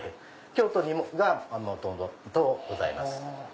京都が元々ございます。